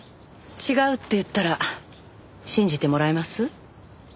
違うと言ったら信じてもらえます？